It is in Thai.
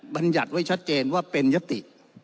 บรรยัติไว้ชัดเจนว่าเป็นยติ